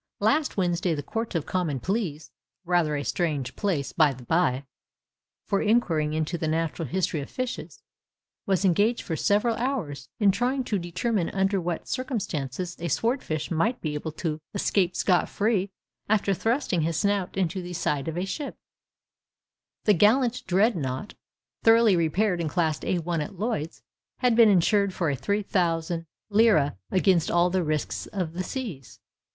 Last Wednesday the Court of Common Pleas—rather a strange place, by the bye, for inquiring into the natural history of fishes—was engaged for several hours in trying to determine under what circumstances a sword fish might be able to escape scot free after thrusting his snout into the side of a ship, The gallant ship 'Dreadnought,' thoroughly repaired, and classed A 1 at Lloyd's, had been insured for 3,000_l._ against all the risks of the seas.